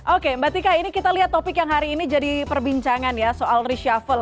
oke mbak tika ini kita lihat topik yang hari ini jadi perbincangan ya soal reshuffle